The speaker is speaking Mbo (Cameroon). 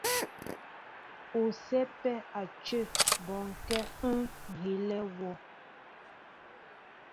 U sɛ́pɛ́ a cə bɔnkɛ́ ŋ́ hílɛ wɔ.